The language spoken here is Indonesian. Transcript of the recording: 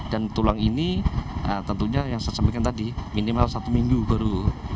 dan tulang ini tentunya yang saya sampaikan tadi minimal satu minggu baru